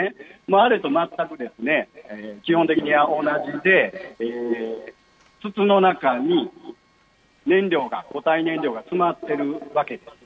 あれと全く基本的には同じで、筒の中に燃料が、固体燃料が詰まってるわけです。